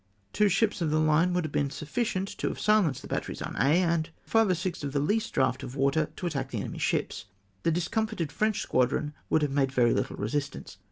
Two ships of the line would have been sufficient to have silenced the batteries on Aix, and five or six of the least draught of water to attack the enemy's ships. The discomfited French squadron would have made very little resistance.